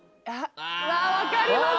うわ分かります。